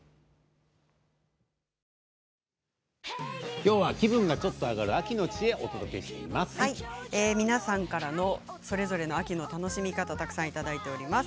きょうは気分がちょっと上がる秋の知恵と皆さんからそれぞれの秋の楽しみ方たくさんいただいております。